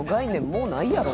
もうないやろ？